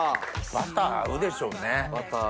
バター合うでしょうね。